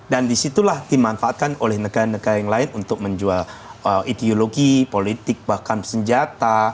dan disitulah dimanfaatkan oleh negara negara yang lain untuk menjual ideologi politik bahkan senjata